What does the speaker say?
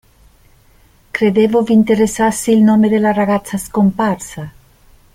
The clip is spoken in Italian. Credevo vi interessasse il nome della ragazza scomparsa.